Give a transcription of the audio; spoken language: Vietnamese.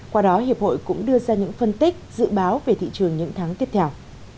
qua đó hiệp hội cũng đưa ra những phân tích dự báo về thị trường những tháng tiếp theo